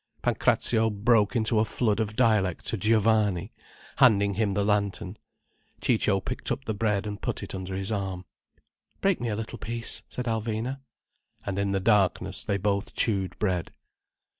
Pancrazio broke into a flood of dialect to Giovanni, handing him the lantern. Ciccio picked up the bread and put it under his arm. "Break me a little piece," said Alvina. And in the darkness they both chewed bread.